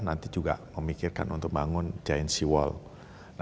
nanti juga memikirkan untuk membangun jain sea wall